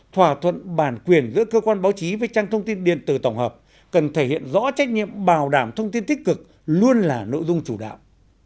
thỏa thuận bản quyền giữa cơ quan báo chí với trang thông tin điện tử tổng hợp cần thể hiện rõ trách nhiệm bảo đảm thông tin tích cực luôn là nội dung chủ đạo